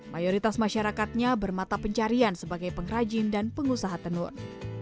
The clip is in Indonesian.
mayoritas masyarakatnya bermata pencarian sebagai pengrajin dan pengusaha tenun